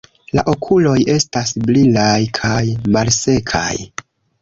La okuloj estas brilaj kaj malsekaj.